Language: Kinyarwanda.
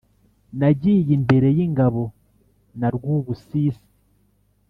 nagiye imbere y'ingabo na rwubusisi